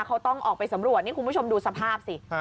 เขาต้องออกไปสำรวจนี่คุณผู้ชมดูสภาพสิ